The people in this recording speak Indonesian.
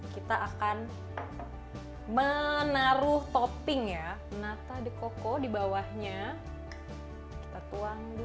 kita akan menaruh topping ya nata de coco di bawahnya kita tuang dulu